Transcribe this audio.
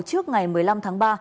trước ngày một mươi năm tháng ba